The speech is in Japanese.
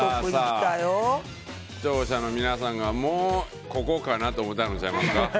視聴者の皆さんがもうここかなと思ってはるんちゃいますか？